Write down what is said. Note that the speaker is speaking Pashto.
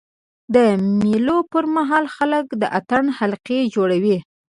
د مېلو پر مهال خلک د اتڼ حلقې جوړوي.